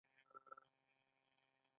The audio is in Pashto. په هماغه اندازه کسر کوچنی کېږي